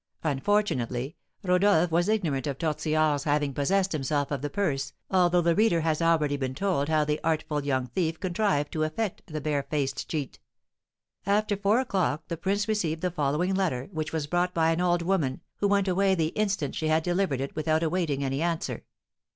Unfortunately, Rodolph was ignorant of Tortillard's having possessed himself of the purse, although the reader has already been told how the artful young thief contrived to effect the barefaced cheat. About four o'clock the prince received the following letter, which was brought by an old woman, who went away the instant she had delivered it without awaiting any answer.